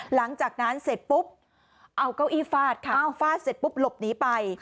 หลังจากนั้นเสร็จปุ๊บเอาเก้าอี้ฟาดค่ะฟาดเสร็จปุ๊บหลบหนีไป